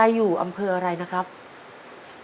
คุณยายแจ้วเลือกตอบจังหวัดนครราชสีมานะครับ